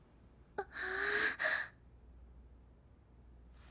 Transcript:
あっ。